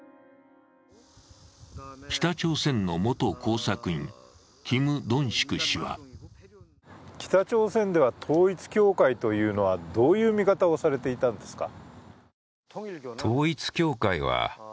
北朝鮮の元工作員、キム・ドンシク氏は北朝鮮では統一教会というのはどういう見方をされていたんですか。